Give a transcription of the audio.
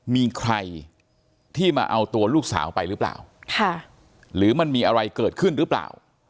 มีใครที่มาเอาตัวลูกสาวไปหรือเปล่าหรือมันมีอะไรเกิดขึ้นหรือเปล่า